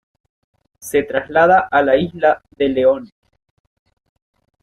Se traslada a la Isla de León.